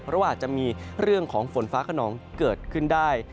เพราะว่าอาจจะมีเรื่องของฝนฟ้าขนองเกิดขึ้นได้